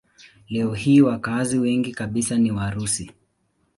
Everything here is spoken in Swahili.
Leo hii wakazi wengi kabisa ni Warusi.